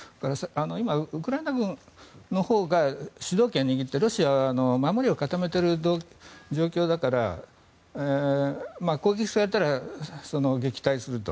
今、ウクライナ軍のほうが主導権を握ってロシアは守りを固めている状況だから攻撃されたら撃退すると。